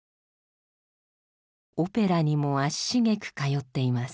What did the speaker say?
オペラにも足しげく通っています。